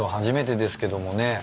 初めてですけどもね。